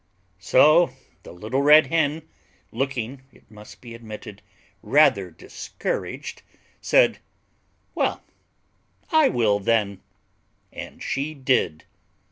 So the Little Red Hen, looking, it must be admitted, rather discouraged, said, "Well, I will, then." And she did.